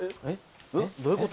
えっ？どういう事？